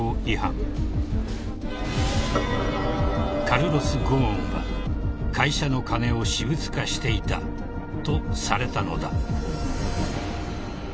［カルロス・ゴーンは会社の金を私物化していたとされたのだ］